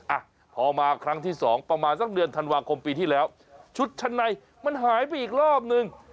อ่ะพอมาครั้งที่สองประมาณสักเดือนธันวาคมปีที่แล้วชุดชั้นในมันหายไปอีกรอบนึง